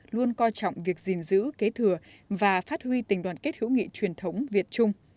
luôn coi trọng việc gìn giữ kế thừa và phát huy tình đoàn kết hữu nghị truyền thống việt trung